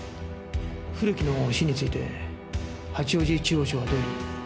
古木の死について八王子中央署はどういう。